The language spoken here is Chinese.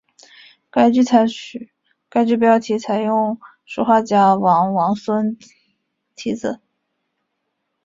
该剧标题采用书画家王王孙题字。